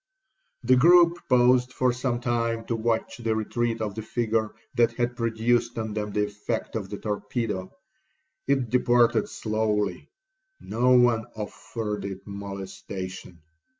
The groupe paused for some time to watch the retreat of the figure that had produced on them the effect of the torpedo. It departed slowly,—no one offered it molestation.